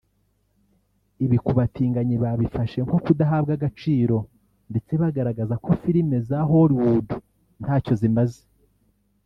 Ibi ku batinganyi babifashe nko kudahabwa agaciro ndetse bagaragaza ko filime za Hollywood ntacyo zimaze